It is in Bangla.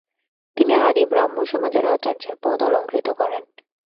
তিনি আদি ব্রাহ্মসমাজের আচার্যের পদ অলংকৃত করেন।